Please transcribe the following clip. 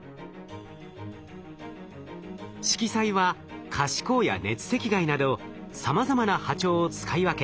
しきさいは可視光や熱赤外などさまざまな波長を使い分け